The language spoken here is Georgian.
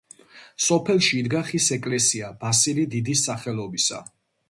სოფელში იდგა ხის ეკლესია ბასილი დიდის სახელობისა.